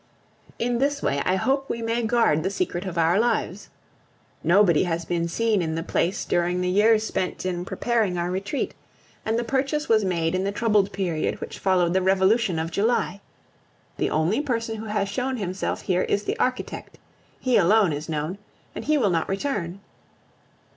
In this way I hope we may guard the secret of our lives. Nobody has been seen in the place during the years spent in preparing our retreat; and the purchase was made in the troubled period which followed the revolution of July. The only person who has shown himself here is the architect; he alone is known, and he will not return.